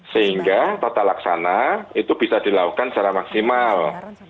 sehingga tata laksana itu bisa dilakukan secara maksimal